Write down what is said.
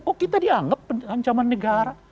oh kita dianggap ancaman negara